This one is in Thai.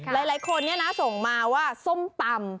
หลายคนส่งมาว่าส้มตำ